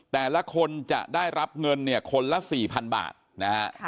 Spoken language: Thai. แต่ละคนจะได้รับเงินคนละ๔๐๐๐บาทนะครับ